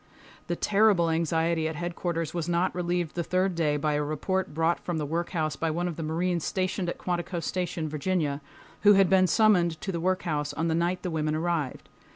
The terrible anxiety at Headquarters was not relieved the third day by a report brought from the workhouse by one of the marines stationed at Quantico Station, Virginia, who had been summoned to the workhouse on the night the women arrived.